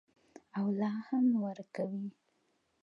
او لا هم ورکوي.